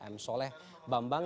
m soleh bambang